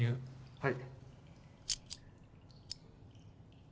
はい。